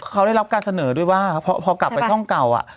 เขาได้รับการเสนอด้วยว่าพอกลับไปท่องเก่า